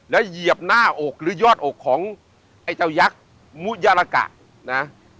แล้วเหยียบหน้าอกหรือยอดอกของไอ้เจ้ายักษ์มุยาลากะนะ